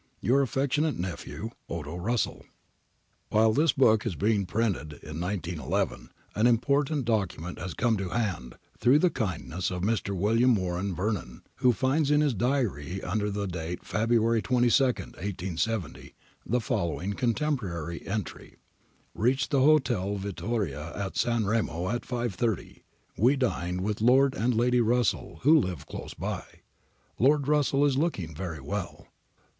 ' Your affectionate nephew, 'Odo Russell.' APPENDIX A 315 While this book is being printed (191 1) an important docu ment has come to hand, through the kindness of Mr. William Warren Vernon,^ who finds in his diary under the date Febru ary 22, 1870, the following contemporary entry :— 'Reached the Hotel Vittoria at San Remo at 5.30. We dined with Lord and Lady Russell who live close by. Lord Russell is looking very well.